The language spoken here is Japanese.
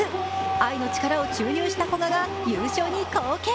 愛の力を注入した古賀が優勝に貢献。